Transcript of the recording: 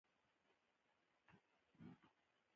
دی یو مبارز و د استبداد په وړاندې دریځ لاره.